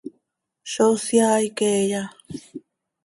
¿Zó syaai queeya?